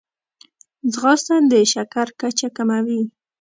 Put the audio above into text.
ځغاسته د شکر کچه کموي